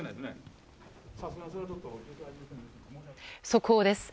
速報です。